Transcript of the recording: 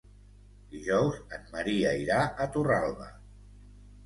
Dijous en Maria irà a Torralba.